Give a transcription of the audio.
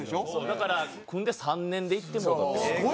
だから組んで３年でいってもうたんで。